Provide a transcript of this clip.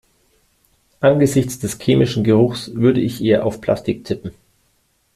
Angesichts des chemischen Geruchs würde ich eher auf Plastik tippen.